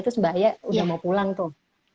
terus mbak ya udah mau pulang tuh